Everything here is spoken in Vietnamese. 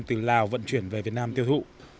từ lào vận chuyển về việt nam tiêu thụ